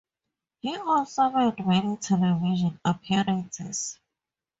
He also made many television appearances.